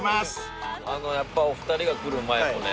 やっぱお二人が来る前もね